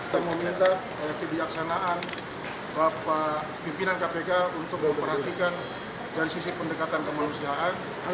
saya meminta kebijaksanaan bapak pimpinan kpk untuk memperhatikan dari sisi pendekatan kemanusiaan